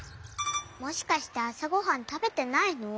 もしかしてあさごはんたべてないの？